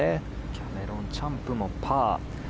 キャメロン・チャンプもパー。